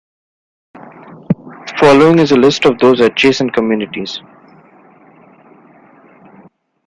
Following is a list of those adjacent communities.